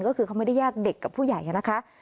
ก็คือเขาไม่ได้แยกเด็กกับผู้ใหญ่นะคะ